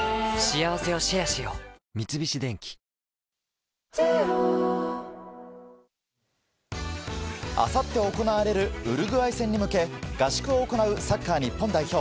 三菱電機あさって行われるウルグアイ戦に向け合宿を行うサッカー日本代表。